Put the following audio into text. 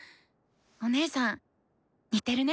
お姉さん似てるね！